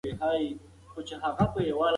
لوستې نجونې د ټولنې ګډې موخې روښانه کوي.